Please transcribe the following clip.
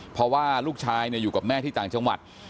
เพราะว่าลูกชายอยู่กับแม่ที่ต่างจังหวัด